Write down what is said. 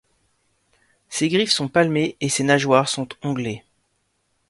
Ses griffes sont palmées et ses nageoires sont onglées.